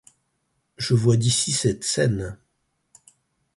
Je vois d’ici cette scène.